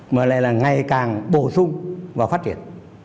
mà lại là ngày càng bổ sung và phát triển